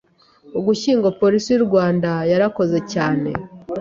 Ugushyingo Polisi y’u Rwanda yarakoze cyane